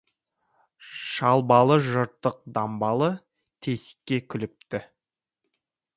Шалбары жыртық дамбалы тесікке күліпті.